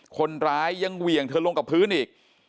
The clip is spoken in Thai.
คนร้ายยังเหวี่ยงเธอลงกับพื้นอีก